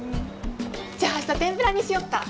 じゃあ明日天ぷらにしよっか。